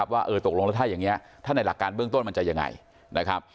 ว่าเออตกลงแล้วถ้าอย่างนี้ถ้าในหลักการเบื้องต้นมันจะยังไงนะครับ